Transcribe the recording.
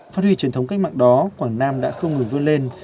phát huy truyền thống cách mạng đó quảng nam đã không ngừng vươn lên